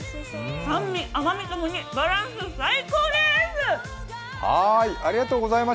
酸味、甘みともにバランス最高です！